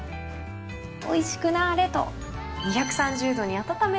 おいしくなあれと。